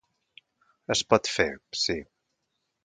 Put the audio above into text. Es pot fer, sí.